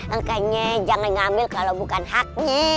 angkanya jangan ngambil kalau bukan haknya